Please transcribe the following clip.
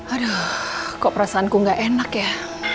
aduh kok perasaanku gak enak ya